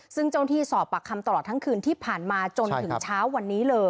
ซึ่งเจ้าที่สอบปากคำตลอดทั้งคืนที่ผ่านมาจนถึงเช้าวันนี้เลย